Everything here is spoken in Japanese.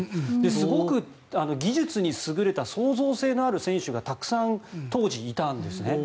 すごく、技術に優れた創造性のある選手がたくさん当時いたんです。